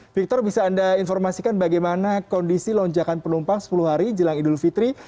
victor bisa anda informasikan bagaimana kondisi lonjakan penumpang sepuluh hari jelang idul fitri